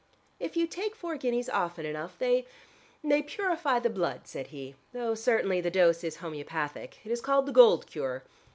"If you take four guineas often enough they they purify the blood," said he, "though certainly the dose is homeopathic. It is called the gold cure.